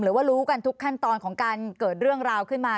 รู้กันทุกขั้นตอนของการเกิดเรื่องราวขึ้นมา